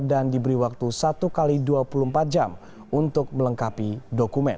dan diberi waktu satu x dua puluh empat jam untuk melengkapi dokumen